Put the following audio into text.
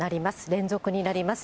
連続になります。